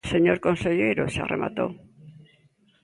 Señor conselleiro, xa rematou.